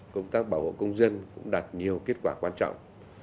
công tác bảo hộ công dân cũng đạt nhiều kết quả quan trọng